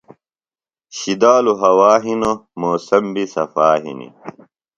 شِدالُوۡ ہوا ہِنوۡ موسم بیۡ صفا ہِنیۡ۔